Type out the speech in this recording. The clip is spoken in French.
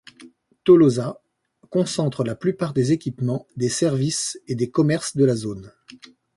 Tolosa concentre la plupart des équipements, des services et des commerces de la zone.